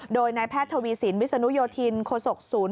โดยนายแพทย์ทวีสินวิศนุโยธินโคศกศูนย์